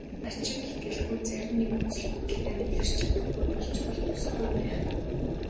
Над шиг итгэлгүй зарим нэг үзэл бодолтой нь эвлэрч чадахгүй болчихвол тусгүй байх.